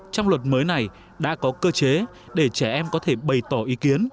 trong luật mới này đã có cơ chế để trẻ em có thể bày tỏ ý kiến